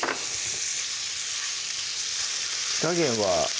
火加減は？